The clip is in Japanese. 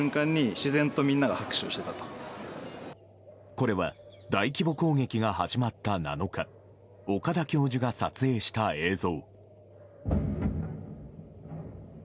これは大規模攻撃が始まった７日岡田教授が撮影した映像。